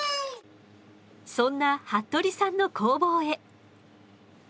そんな服部さんの工房へ。